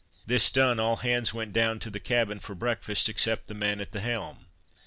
This done, all hands went down to the cabin to breakfast, except the man at the helm.